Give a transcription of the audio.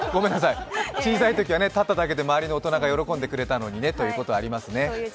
小さいときは立っただけで周りの大人が喜んでくれたというのがありましたよね。